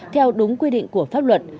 theo đúng quy định của pháp luật